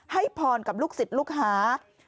ให้พรกับลูกศิษย์ลูกหา